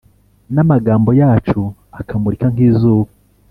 N’amagambo yacu akamurika nk’izuba